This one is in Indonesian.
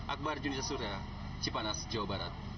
akbar junisah suria cipanas jawa barat